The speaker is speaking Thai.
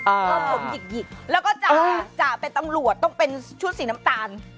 อ่าแล้วก็จ่าจ่าเป็นตำรวจต้องเป็นชุดสีน้ำตาล